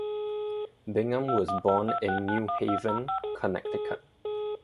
Bingham was born in New Haven, Connecticut.